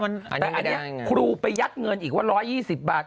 แต่อันนี้ครูไปยัดเงินอีกว่า๑๒๐บาท